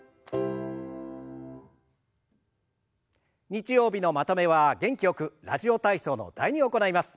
日曜日のまとめは元気よく「ラジオ体操」の「第２」を行います。